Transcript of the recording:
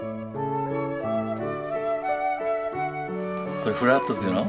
これフラットっていうの？